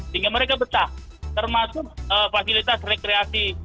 hingga mereka betah termasuk fasilitas rekreasi